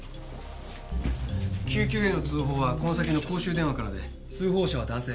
救急への通報はこの先の公衆電話からで通報者は男性。